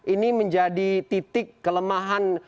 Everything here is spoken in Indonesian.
ini menjadi titik kelemahan